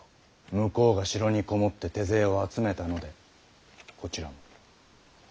向こうが城に籠もって手勢を集めたのでこちらも。